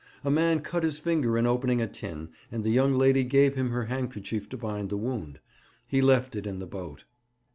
A man cut his finger in opening a tin, and the young lady gave him her handkerchief to bind the wound. He left it in the boat.